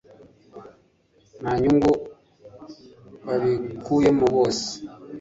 nta nyungu babikuyemo bose